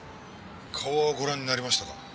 顔はご覧になりましたか？